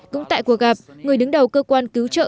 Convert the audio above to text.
cũng tại cuộc gặp người đứng đầu cơ quan cứu trợ